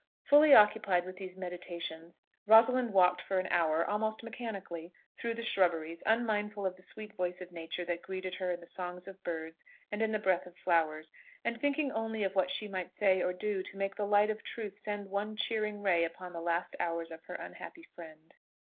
Fully occupied with these meditations, Rosalind walked for an hour, almost mechanically, through the shrubberies, unmindful of the sweet voice of nature that greeted her in the songs of birds and in the breath of flowers, and thinking only of what she might say or do to make the light of truth send one cheering ray upon the last hours of her unhappy friend.